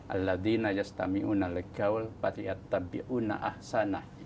al ladin ajastami una legaul patiat tabi'una ahsanah